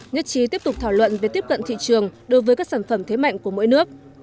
nhất trí tiếp tục thảo luận về tiếp cận thị trường đối với các sản phẩm thế mạnh của mỗi nước